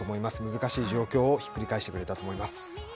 難しい状況をひっくり返してくれたと思います。